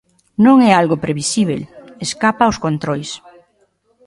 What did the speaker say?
Non é algo previsíbel, escapa aos controis.